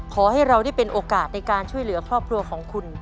ขอให้เราได้เป็นโอกาสในการช่วยเหลือครอบครัวของคุณ